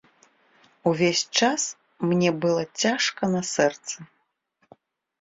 Увесь час мне было цяжка на сэрцы.